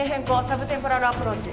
サブテンポラール・アプローチ。